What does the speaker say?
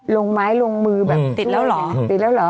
ลงไม้ลงมือแบบติดแล้วหรอ